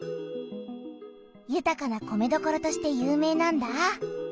ゆたかな米どころとして有名なんだ。